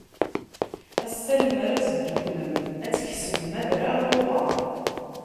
Assa lemmer ad tedduklem, ad tkesbem adrar luḍa.